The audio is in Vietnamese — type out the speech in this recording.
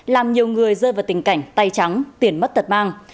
làm nhiều người rơi vào tình cảnh tay trắng tiền mất tật mang